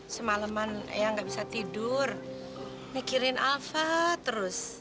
semaleman eang gak bisa tidur mikirin alva terus